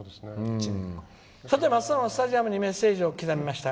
「さて、まっさんはスタジアムにメッセージを刻みました。